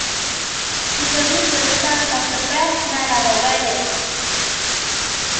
Richard Winters served as the best man at the wedding.